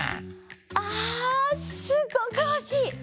あすごくおしい！